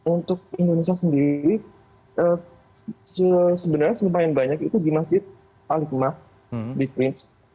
untuk indonesia sendiri sebenarnya seumpama yang banyak itu di masjid al ikhmah di gunz